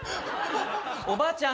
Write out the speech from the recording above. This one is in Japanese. ・おばあちゃん